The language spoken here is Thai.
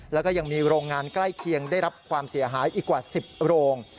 แล้วก็ยังมีโรงงานใกล้เคียงได้รับความเสียหายอีกกว่า๑๐โรง